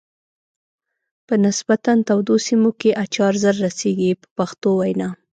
په نسبتا تودو سیمو کې اچار زر رسیږي په پښتو وینا.